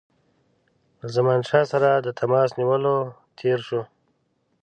له زمانشاه سره د تماس نیولو تېر شو.